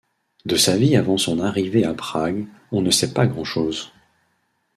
De sa vie avant son arrivée à Prague, on ne sait pas grand chose.